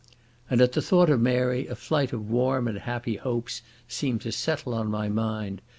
And at the thought of Mary a flight of warm and happy hopes seemed to settle on my mind.